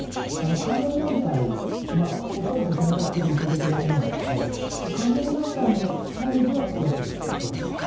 関連団体恐らく選択的、意図的だと思いますが関連団体の範囲では付き合っていたわけですよ。